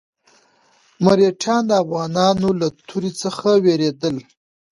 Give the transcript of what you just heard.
مرهټیان د افغانانو له تورې څخه وېرېدل.